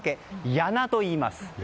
やなといいます。